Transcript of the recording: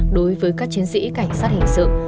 đối với các chiến sĩ cảnh sát hình sự